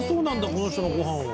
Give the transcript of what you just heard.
この人のご飯は。